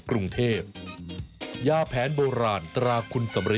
เฮาไซด์ไข่